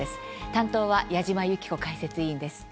担当は矢島ゆき子解説委員です。